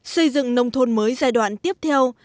xây dựng nông thôn mới giai đoạn tiếp theo